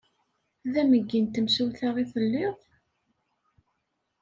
D ameggi n temsulta i telliḍ?